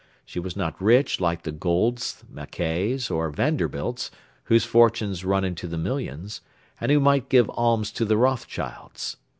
She was not rich like the Goulds, Mackays, or Vanderbilts, whose fortunes run into the millions, and who might give alms to the Rothschilds.